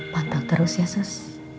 pantau terus ya sus